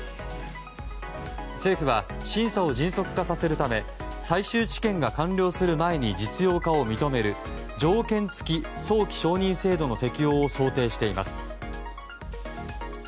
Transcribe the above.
政府は審査を迅速化させるため最終治験が完了する前に実用化を認める条件付き早期承認制度の適用を想定しています。